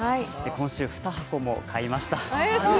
今週２箱も買いました。